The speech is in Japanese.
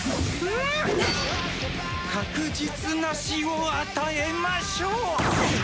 確実な死を与えましょう！